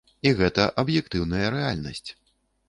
І гэта аб'ектыўная рэальнасць.